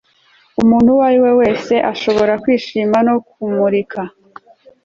umuntu uwo ari we wese arashobora kwishima no kumurika